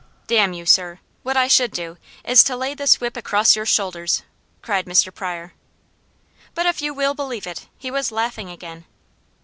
"Damn you, sir, what I should do, is to lay this whip across your shoulders!" cried Mr. Pryor. But if you will believe it, he was laughing again.